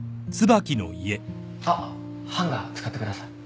あっハンガー使ってください。